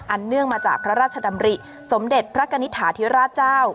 เนื่องมาจากพระราชดำริสมเด็จพระกณิตฐาธิราชเจ้า